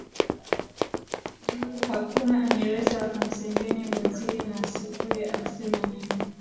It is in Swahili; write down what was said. hakuna anayeweza akamsengenya mwenzie na asijue anasema nini